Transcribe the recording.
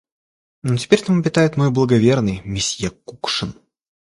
Но теперь там обитает мой благоверный, мсье Кукшин.